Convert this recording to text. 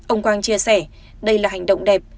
ông quang chia sẻ đây là hành động đẹp